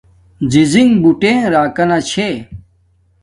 زڎنݣ بوٹے راکانا چھے